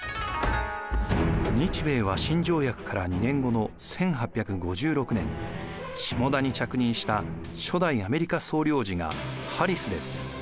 日米和親条約から２年後の１８５６年下田に着任した初代アメリカ総領事がハリスです。